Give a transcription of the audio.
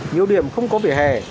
nhiều điểm không có vỉa hè